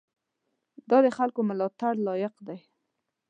دا د خلکو ملاتړ لایق دی.